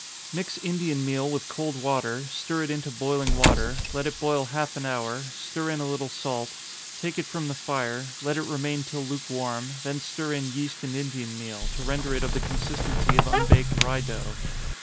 _ Mix Indian meal with cold water, stir it into boiling water, let it boil half an hour stir in a little salt, take it from the fire, let it remain till lukewarm, then stir in yeast and Indian meal, to render it of the consistency of unbaked rye dough.